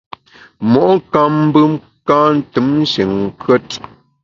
Mo’ nkam mbem ka ntùm nshin nkùet.